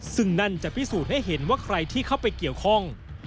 ซึ่งนั่นจะพิสูจน์ให้เห็นว่าใครที่เข้าไปเกี่ยวข้อง